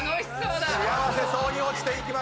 幸せそうに落ちていきました。